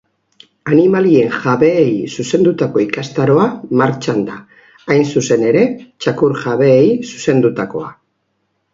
Animalien jabeei zuzendutako ikastaroamartxan da, hain zuzen ere txakur jabeei zuzendutakoa.